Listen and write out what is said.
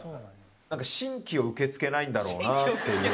新規を受け付けないんだろうなっていう。